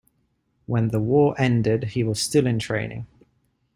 When the war ended, he was still in training.